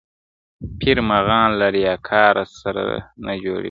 پیر مغان له ریاکاره سره نه جوړیږي -